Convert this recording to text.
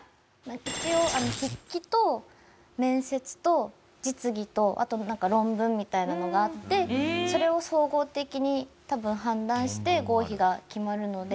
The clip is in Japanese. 一応筆記と面接と実技とあとなんか論文みたいなのがあってそれを総合的に多分判断して合否が決まるので。